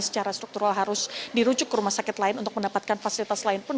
secara struktural harus dirujuk ke rumah sakit lain untuk mendapatkan fasilitas lain pun